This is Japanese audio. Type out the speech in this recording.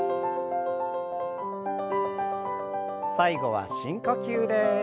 最後は深呼吸です。